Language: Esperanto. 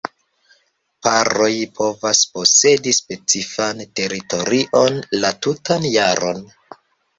Paroj povas posedi specifan teritorion la tutan jaron.